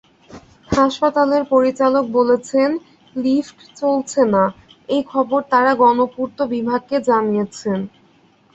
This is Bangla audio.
হাসপাতালের পরিচালক বলেছেন, লিফট চলছে না—এই খবর তাঁরা গণপূর্ত বিভাগকে জানিয়েছেন।